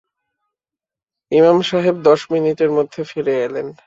ইমাম সাহেব দশ মিনিটের মধ্যে ফিরে এলেন।